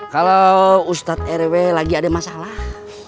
kalau udia i princess lagi ada masalah